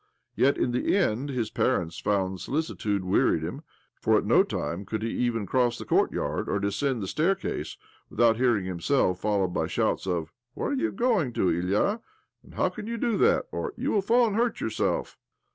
Yet in the end his parents' fond solicitude wearied him, for at no time could he even cross the courtyard, or descend the staircase, without hearing himself followed by shouts of " Where are you going to, Ilya? " or " How can you do that?" pr "You will fall and hurt yourself